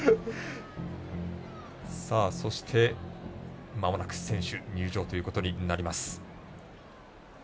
そして、まもなく選手入場ということになります。